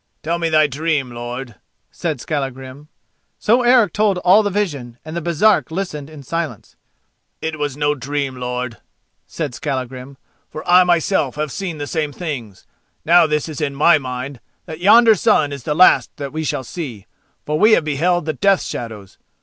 "Tell me thy dream, lord," said Skallagrim. So Eric told all the vision, and the Baresark listened in silence. "It was no dream, lord," said Skallagrim, "for I myself have seen the same things. Now this is in my mind, that yonder sun is the last that we shall see, for we have beheld the death shadows.